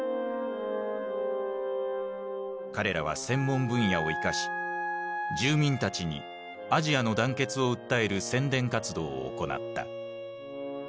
彼らは専門分野を生かし住民たちにアジアの団結を訴える宣伝活動を行った。